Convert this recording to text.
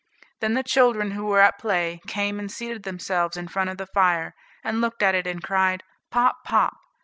Then the children, who were at play, came and seated themselves in front of the fire, and looked at it and cried, "Pop, pop."